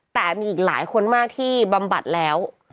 แต่มีอีกหลายคนมากที่บำบัดแล้ว